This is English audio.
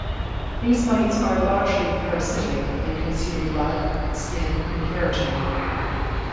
These mites are largely parasitic and consume blood, skin and keratin.